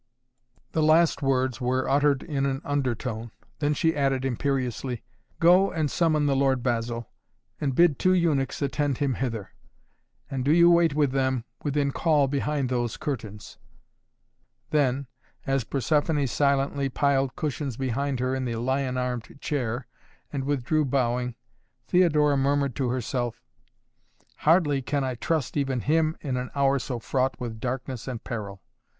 The last words were uttered in an undertone. Then she added imperiously: "Go and summon the lord Basil and bid two eunuchs attend him hither! And do you wait with them within call behind those curtains." Then, as Persephoné silently piled cushions behind her in the lion armed chair and withdrew bowing, Theodora murmured to herself: "Hardly can I trust even him in an hour so fraught with darkness and peril.